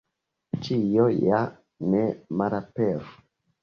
Ĉio ja ne malaperu.